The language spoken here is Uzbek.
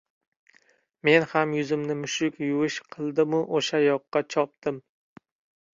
Men ham yuzimni «mushuk yuvish» qildimu o‘sha yoqqa chopdim.